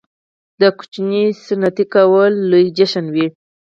د ماشوم سنتي کول لوی جشن وي.